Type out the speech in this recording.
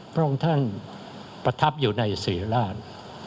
พระองค์ท่านประทับอยู่ในศรีราช